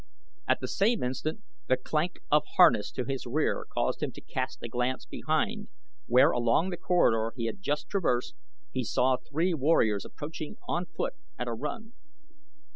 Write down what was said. At the same instant the clank of harness to his rear caused him to cast a glance behind where, along the corridor he had just traversed, he saw three warriors approaching on foot at a run.